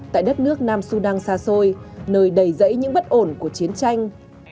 tại đất nước nam sudan xa xôi nơi đầy dãy những bất ổn của chiến tranh